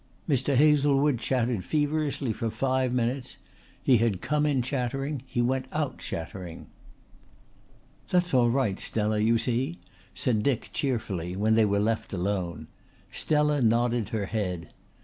Mr. Hazlewood chattered feverishly for five minutes; he had come in chattering, he went out chattering. "That's all right, Stella, you see," said Dick cheerfully when they were left alone. Stella nodded her head. Mr.